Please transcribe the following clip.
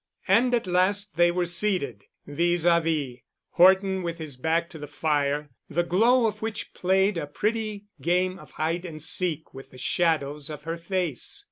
And at last they were seated vis à vis, Horton with his back to the fire, the glow of which played a pretty game of hide and seek with the shadows of her face.